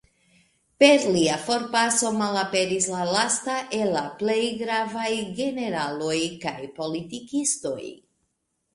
Per lia forpaso, malaperis la lasta el la plej gravaj generaloj kaj politikistoj.